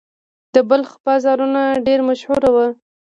د بلخ بازارونه ډیر مشهور وو